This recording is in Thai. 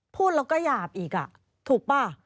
พูดแล้วก็หยาบอีกถูกป่ะ